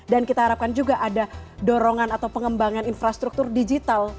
dan kita harapkan juga ada dorongan atau pengembangan infrastruktur digital